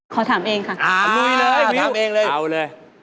ขอถามเองค่ะอ๋อมิวเอาเลยถามเองเลย